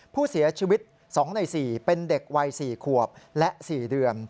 ผู้เสียชีวิต๒ใน๔เป็นเด็กวัย๔ขวบและ๔เดือน